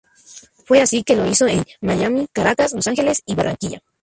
Fue así que lo hizo en Miami, Caracas, Los Ángeles y Barranquilla.